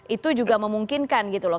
itu juga memungkinkan gitu loh